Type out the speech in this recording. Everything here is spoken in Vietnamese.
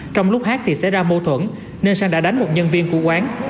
trong lúc hát thì xảy ra mâu thuẫn nên sang đã đánh một nhân viên của quán